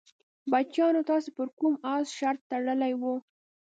بچیانو تاسې پر کوم اس شرط تړلی وو؟